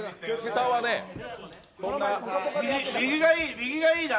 右がいいな。